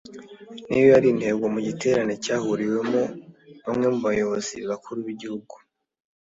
niyo yari intego mu giterane cyahuriyemo bamwe mu bayobozi bakuru b’igihugu